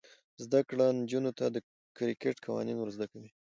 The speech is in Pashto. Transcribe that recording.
زده کړه نجونو ته د کرکټ قوانین ور زده کوي.